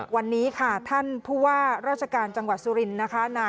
วันนี้ค่ะท่านผู้ว่าราชการจังหวัดสุรินทร์นะคะ